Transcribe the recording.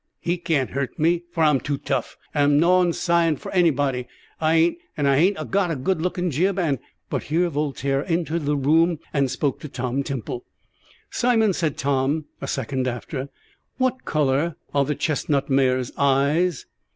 "He can't hurt me, for I'm too tough, and I'm noan sighin' for anybody, I ain't; and I hain't a got a good lookin' jib, and " But here Voltaire entered the room and spoke to Tom Temple. "Simon," said Tom a second after, "what colour are the chestnut mare's eyes?"